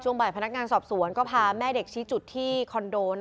บ่ายพนักงานสอบสวนก็พาแม่เด็กชี้จุดที่คอนโด